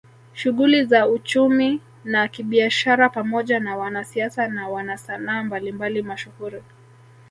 Shughuli za uchumi na kibiashara pamoja na wanasiasa na wanasanaa mbalimbali mashuhuri